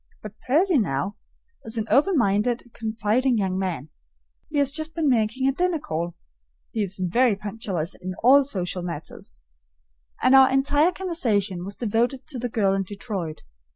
But Percy, now, is an open minded, confiding young man. He has just been making a dinner call (he is very punctilious in all social matters), and our entire conversation was devoted to the girl in Detroit.